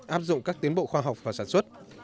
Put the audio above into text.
áp dụng các tiến bộ khoa học và sản xuất